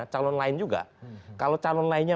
calon lain juga kalau calon lainnya